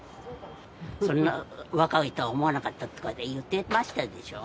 そんな若いとは思わなかったとかって言ってましたでしょ。